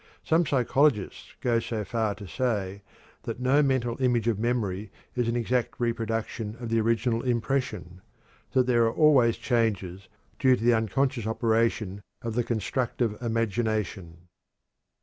Some psychologists go so far as to say that no mental image of memory is an exact reproduction of the original impression; that there are always changes due to the unconscious operation of the constructive imagination.